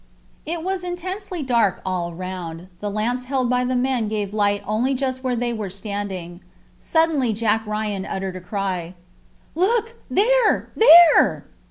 It was intensely dark all round. The lamps held by the men gave light only just where they were standing. Suddenly Jack Ryan uttered a cry. "Look there, there!"